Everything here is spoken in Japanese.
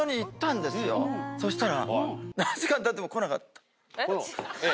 そしたら。